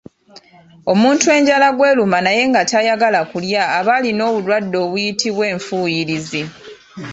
Omuntu enjala gw’eruma naye nga tayagala kulya aba alina obulwadde obuyitibwa Enfuuyirizi.